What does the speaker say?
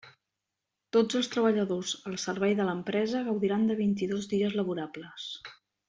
Tots els treballadors al servei de l'empresa gaudiran de vint-i-dos dies laborables.